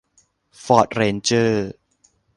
ฟอร์ดเรนเจอร์